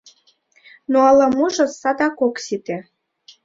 Но ала-можо садак ок сите.